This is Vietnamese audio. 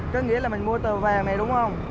có nghĩa là mình mua tờ vàng này đúng không